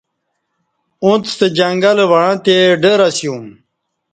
اݩڅ ستہ جنگل وعݩتے ڈر اسیوم۔